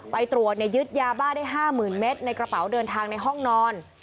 ไปตรวจยึดยาบ้าได้๕๐๐๐เมตรในกระเป๋าเดินทางในห้องนอน